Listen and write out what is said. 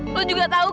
lo juga tahu kan